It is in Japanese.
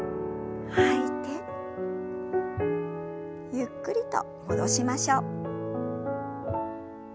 ゆっくりと戻しましょう。